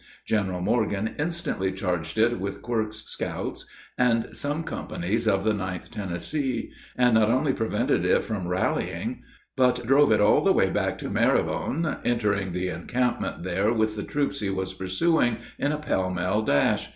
General Morgan instantly charged it with Quirk's scouts and some companies of the 9th Tennessee, and not only prevented it from rallying, but drove it all the way back to Marrowbone, entering the encampment there with the troops he was pursuing in a pell mell dash.